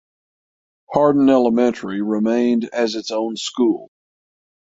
Hardin Elementary remained as its own school.